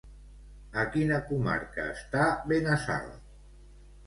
A quina comarca està Benassal?